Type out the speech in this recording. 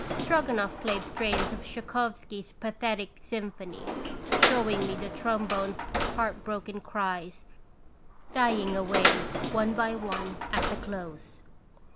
Stroganoff played strains of Tschaikowsky's pathetic symphony, showing me the trom bones' heart broken cries, dying away, one by one, at the close.